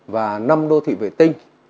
và năm đô thị vệ tinh